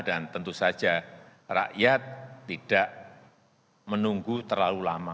dan tentu saja rakyat tidak menunggu terlalu lama